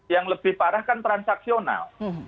yang lebih parah kan transaksional